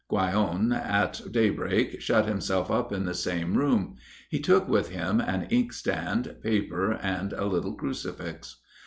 Guyon, at daybreak, shut himself up in the same room; he took with him an inkstand, paper, and a little crucifix.